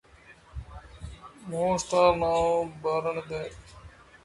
Most are now buried there.